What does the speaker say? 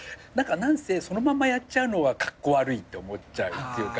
なんせそのままやっちゃうのはカッコ悪いって思っちゃうっていうか。